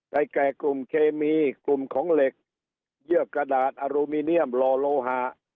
แก่กลุ่มเคมีกลุ่มของเหล็กเยื่อกระดาษอลูมิเนียมลอโลหะ